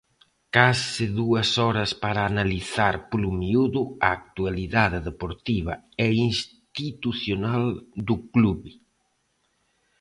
Case dúas horas para analizar polo miúdo a actualidade deportiva e institucional do club.